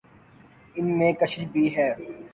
ان میں کشش بھی ہے۔